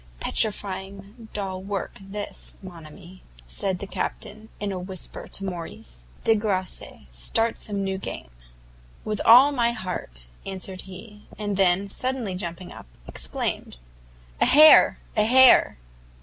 "Petrifying dull work this, mon ami!" said the Captain, in a whisper to Morrice, "de grace, start some new game." "With all my heart," answered he; and then, suddenly jumping up, exclaimed, "A hare! a hare!"